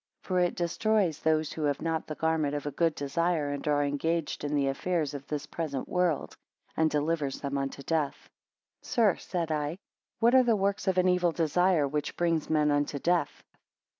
For it destroys those who have not the garment of a good desire and are engaged in the affairs of this present world; and delivers them unto death. 3 Sir, said I, what are the works of an evil desire, which bring men unto death?